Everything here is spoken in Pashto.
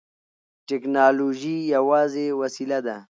ټیکنالوژي یوازې وسیله ده.